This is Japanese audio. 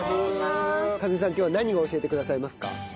今日は何を教えてくださいますか？